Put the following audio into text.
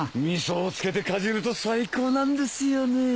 味噌をつけてかじると最高なんですよね。